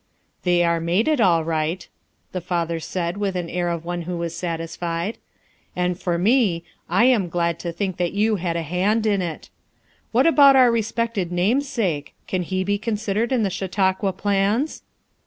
"They are mated, all right," the father said with the air of one who was satisfied. "And for me, I am glad to think that you had a hand in it How about our respected namesake? Can he be considered in the Chautauqua plans?"